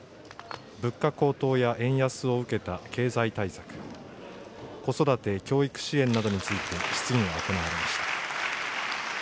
物価高騰や円安を受けた経済対策、子育て教育支援などについて質疑が行われました。